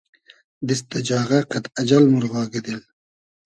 دیست دۂ جاغۂ قئد اجئل مورغاگی دیل